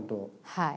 はい。